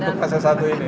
untuk kasus satu ini